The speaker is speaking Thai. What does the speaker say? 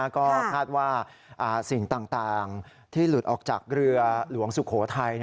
ก็คาดว่าสิ่งต่างที่หลุดออกจากเรือหลวงสุโขทัย